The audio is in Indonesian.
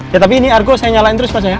ya tapi ini argo saya nyalain terus pas ya